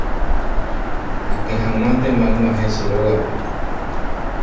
Akehag̃uántema ag̃uahẽ che rógape.